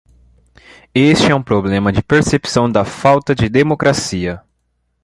Este é um problema de percepção da falta de democracia.